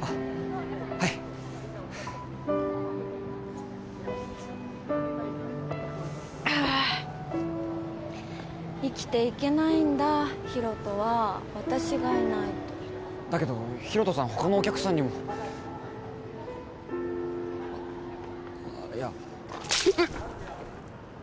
あっはいああ生きていけないんだヒロトは私がいないとだけどヒロトさん他のお客さんにもあっいやえっ？